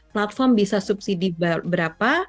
platform bisa subsidi berapa